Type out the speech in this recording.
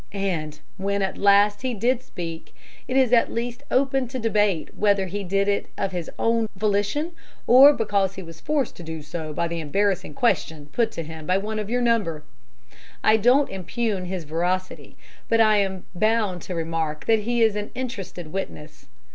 And when, at last, he did speak, it is at least open to debate whether he did it of his own volition, or because he was forced to do so by the embarrassing question put to him by one of your number. I don't impugn his veracity, but I am bound to remark that he is an interested witness.